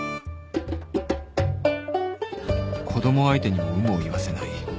子供相手にも有無を言わせない